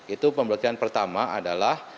itu pemblokiran pertama adalah